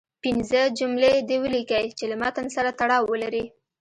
پنځه جملې دې ولیکئ چې له متن سره تړاو ولري.